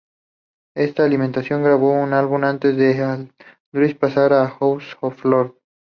Esta alineación grabó un álbum, antes de que Aldrich pasara a House of Lords